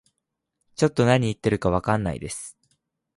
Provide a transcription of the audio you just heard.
ちょっと何言ってるかわかんないです